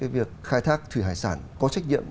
việc khai thác thủy hải sản có trách nhiệm